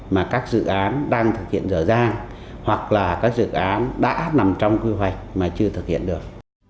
mà các dự án đang thực hiện dở dàng hoặc là các dự án đã nằm trong quy hoạch mà chưa thực hiện được